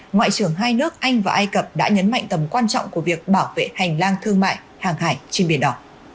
ngoại trưởng hai nước anh và ai cập đã nhấn mạnh tầm quan trọng của việc bảo vệ hành lang thương mại hàng hải trên biển đỏ